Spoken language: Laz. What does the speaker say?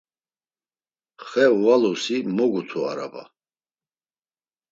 Xe uvalusi mogutu araba.